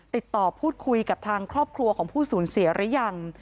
ติดต่อพูดคุยกับทางครอบครัวของผู้สูญเสียหรือยัง